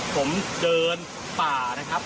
ผมเดินป่านะครับ